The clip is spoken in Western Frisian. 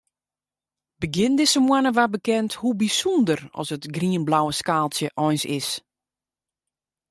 Begjin dizze moanne waard bekend hoe bysûnder as it grienblauwe skaaltsje eins is.